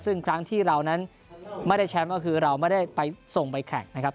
ซึ่งครั้งที่เรานั้นไม่ได้แชมป์ก็คือเราไม่ได้ไปส่งไปแข่งนะครับ